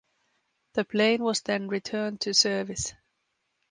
The plane was then returned to service.